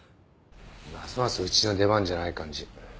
ますますうちの出番じゃない感じ。